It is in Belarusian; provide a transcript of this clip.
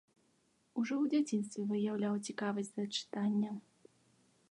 Ужо ў дзяцінстве выяўляў цікавасць да чытання.